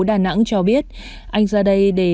đà nẵng cho biết anh ra đây để